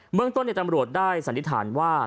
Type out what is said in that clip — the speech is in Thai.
เมืองต้นในตำรวจได้สันนิษฐานว่า